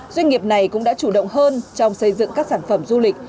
doanh nghiệp này cũng đã chủ động hơn trong xây dựng các sản phẩm du lịch